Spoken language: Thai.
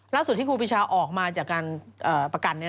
แล้วสุดที่ครูพิชาออกมาจากการประกัน